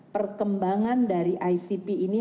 perkembangan dari icp ini